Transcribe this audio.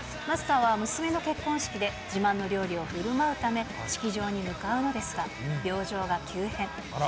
マスターは娘の結婚式で、自慢の料理をふるまうため、式場に向かうのですが、病状が急変。